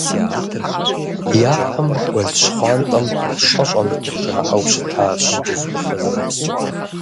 Япэм гуэл Щхъуантӏэм щӏэ щӏэмыту жаӏэу щытащ.